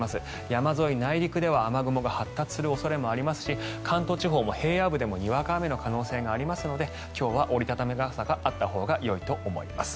山沿い、内陸では雨雲が発達する恐れがありますし関東地方も平野部でもにわか雨の可能性がありますので今日は折り畳み傘があったほうがよいと思います。